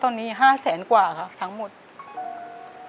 เรียกว่ากู้มาแล้วก็รักษาจนหมดเนื้อหมดตัว